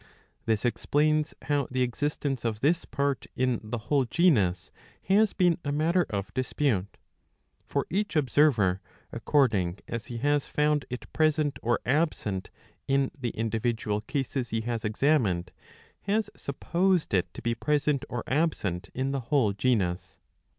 This explains how the existence of this part in the whole genus has been a matter of dispute. For each observer, according as he has found it present or absent in the individual cases he has examined, has supposed it to be present or absent in the whole genus.